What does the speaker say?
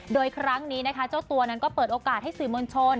โดยครั้งนี้นะคะเจ้าตัวนั้นก็เปิดโอกาสให้สื่อมวลชน